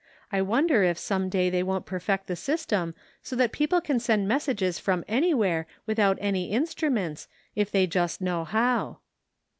I wonder if some day they won't perfect the system so that people can send messages from any where without any instruments, if they just know how."